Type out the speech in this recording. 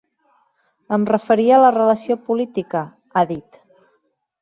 Em referia a la relació política, ha dit.